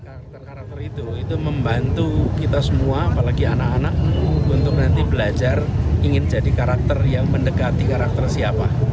karakter karakter itu itu membantu kita semua apalagi anak anak untuk nanti belajar ingin jadi karakter yang mendekati karakter siapa